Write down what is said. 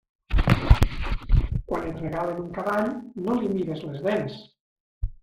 Quan et regalen un cavall no li mires les dents.